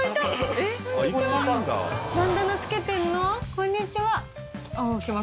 こんにちは。